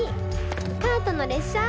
カートの列車。